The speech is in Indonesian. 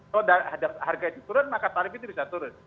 kalau harga itu turun maka tarif itu bisa turun